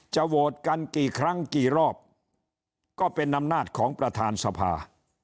โหวตกันกี่ครั้งกี่รอบก็เป็นอำนาจของประธานสภา